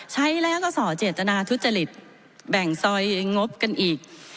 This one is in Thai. ใช้แล้วก็ส่อเจตนาทุจริตแบ่งซอยงบกันอีก